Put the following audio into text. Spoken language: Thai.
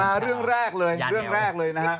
เรื่องแรกเลยเรื่องแรกเลยนะฮะ